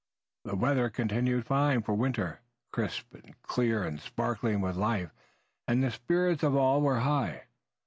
The weather continued fine for winter, crisp, clear, sparkling with life and the spirits of all were high.